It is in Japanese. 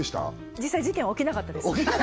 実際事件は起きなかったです